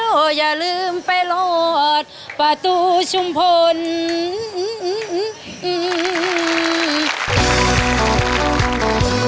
อบจมหาสนุก